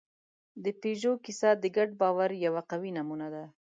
د پيژو کیسه د ګډ باور یوه قوي نمونه ده.